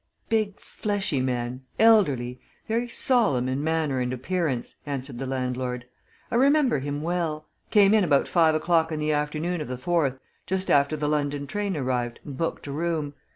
"Big, fleshy man elderly very solemn in manner and appearance," answered the landlord. "I remember him well. Came in about five o'clock in the afternoon of the 4th just after the London train arrived and booked a room.